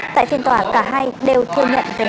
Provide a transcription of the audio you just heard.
tại phiên tòa cả hai đều thưa nhận về hành vi phạm tội